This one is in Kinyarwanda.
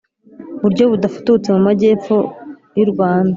buryo budafututse mu magepfo y urwanda